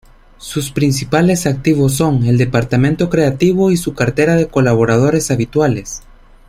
Sus principales activos son, el departamento creativo y su cartera de colaboradores habituales.